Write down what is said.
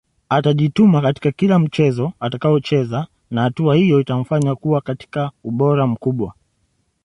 Atajituma katika kila mchezo atakaocheza na hatua hiyo itamfanya kuwa katika ubora mkubwa